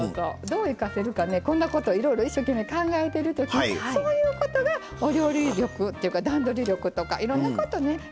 どう生かせるかねこんなこといろいろ一生懸命考えてる時そういうことがお料理力っていうか段取り力とかいろんなことね鍛えていってくれると思うんですね。